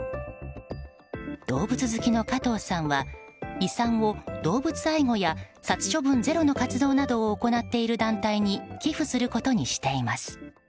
動物好きの加藤さんは、遺産を動物愛護や殺処分ゼロの活動などを行っている団体に寄付することにしています。